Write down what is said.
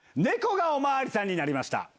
猫がおまわりさんになりました。